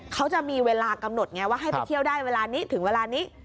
เขาจะมีเวลากำหนดไงว่าให้ไปเที่ยวได้เวลานี้ถึงเวลานี้